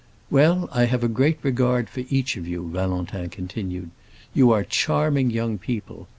"Well, I have a great regard for each of you," Valentin continued. "You are charming young people.